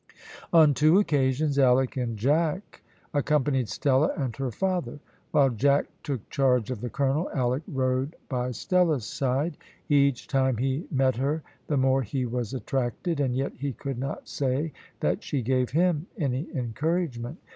On two occasions, Alick and Jack accompanied Stella and her father. While Jack took charge of the colonel, Alick rode by Stella's side. Each time he met her the more he was attracted, and yet he could not say that she gave him any encouragement.